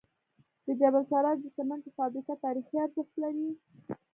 د جبل السراج د سمنټو فابریکه تاریخي ارزښت لري.